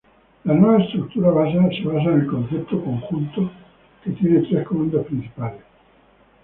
La nueva estructura, basa en el concepto "Conjunto", tiene tres Comandos principales.